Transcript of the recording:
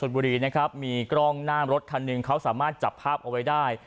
บุรีนะครับมีกล้องหน้ารถคันหนึ่งเขาสามารถจับภาพเอาไว้ได้